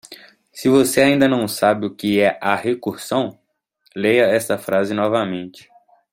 Se você ainda não sabe o que é a recursão?, leia esta frase novamente.